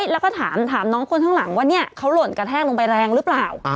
แล้วก็ถามน้องคนข้างหลังว่าเขาหล่นกระแทกลงไปแรงหรือเปล่า